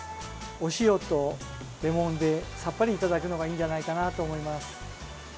お塩とレモンでさっぱりいただくのがいいんじゃないかなと思います。